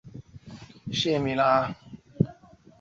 是大井町线最少上下车人次的车站。